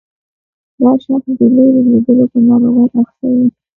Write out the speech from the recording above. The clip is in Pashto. دا شخص د لیرې لیدلو په ناروغۍ اخته وي.